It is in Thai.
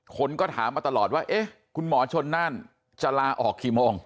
คนก็ถามมาตลอดว่าเอ๊ะคุณหมอชนนั่นจะลาออกกี่โมง